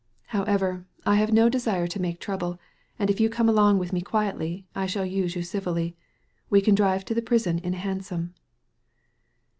Howeveri I have no desire to make trouble, and if you come along with me quietlyi I shall «use you civilly. We can drive to the prison in a hansom."